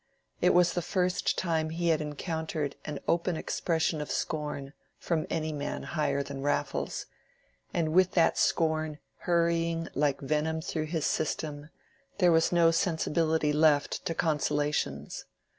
It was the first time he had encountered an open expression of scorn from any man higher than Raffles; and with that scorn hurrying like venom through his system, there was no sensibility left to consolations.